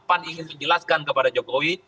pan ingin menjelaskan kepada jokowi